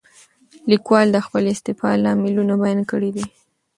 لیکوال د خپلې استعفا لاملونه بیان کړي دي.